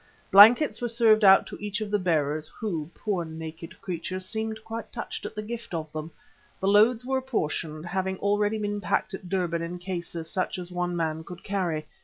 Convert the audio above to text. Blankets were served out to each of the bearers who, poor naked creatures, seemed quite touched at the gift of them; the loads were apportioned, having already been packed at Durban in cases such as one man could carry.